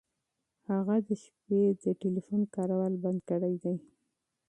هغه د شپې د ټیلیفون کارول بند کړي دي.